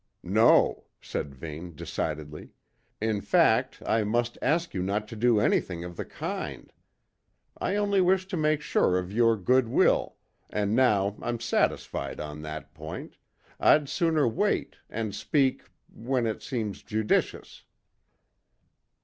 "No," said Vane decidedly. "In fact, I must ask you not to do anything of the kind. I only wished to make sure of your good will, and now I'm satisfied on that point, I'd sooner wait, and speak when it seems judicious."